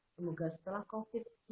semoga setelah covid sembilan belas